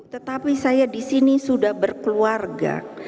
tetapi saya di sini sudah berkeluarga